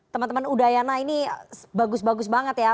teman teman udayana ini bagus bagus banget ya